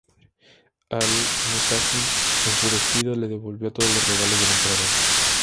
Al-Mutasim, enfurecido, le devolvió todos los regalos del emperador.